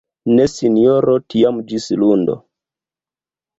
Ne Sinjoro tiam ĝis lundo!